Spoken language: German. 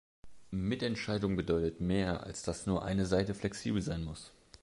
Mitentscheidung bedeutet mehr, als dass nur eine Seite flexibel sein muss.